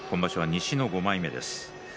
西の５枚目です。